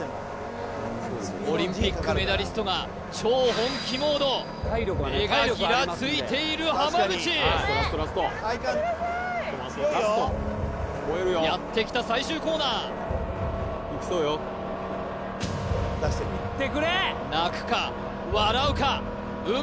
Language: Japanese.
オリンピックメダリストが超本気モード目がギラついている浜口やってきた最終コーナー思いをのせていった！